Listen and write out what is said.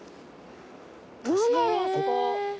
何だろうあそこ。